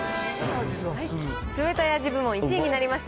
冷たい味部門１位になりました、